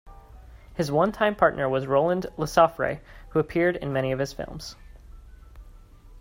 His one-time partner was Roland Lesaffre who appeared in many of his films.